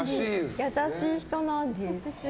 優しい人なんです。